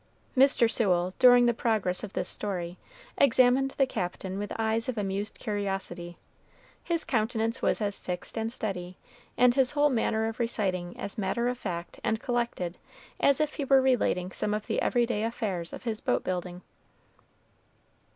Mr. Sewell, during the progress of this story, examined the Captain with eyes of amused curiosity. His countenance was as fixed and steady, and his whole manner of reciting as matter of fact and collected, as if he were relating some of the every day affairs of his boat building.